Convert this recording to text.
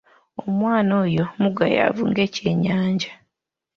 Omwana oyo mugayaavu ng'ekyennyanja.